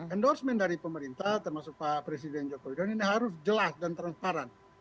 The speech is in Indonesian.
endorsement dari pemerintah termasuk pak presiden joko widodo ini harus jelas dan transparan